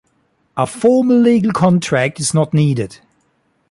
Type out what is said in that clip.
A formal legal contract is not needed.